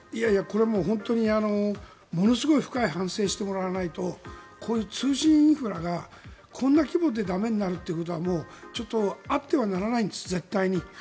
これはもう本当にものすごい深い反省をしてもらわないとこういう通信インフラがこんな規模で駄目になることはちょっとあってはならないんです絶対に。